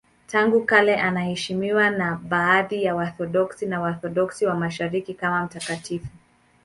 Tangu kale anaheshimiwa na baadhi ya Waorthodoksi na Waorthodoksi wa Mashariki kama mtakatifu.